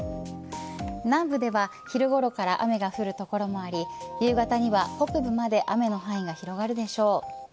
南部では昼ごろから雨が降る所もあり夕方には北部まで雨の範囲が広がるでしょう。